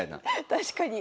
確かに。